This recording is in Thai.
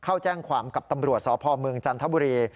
เข้าแจ้งความกับตำรวจสพเมืองจันทบุรี